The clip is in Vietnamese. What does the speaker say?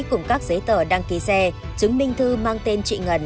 cùng các giấy tờ đăng ký xe chứng minh thư mang tên chị ngân